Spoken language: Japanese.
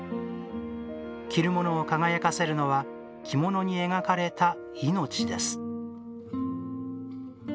着る者を輝かせるのは着物に描かれた「いのち」です。